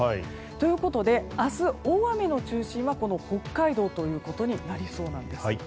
ということで明日、大雨の中心は北海道ということになりそうです。